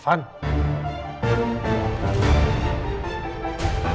kenapa ngomong begitu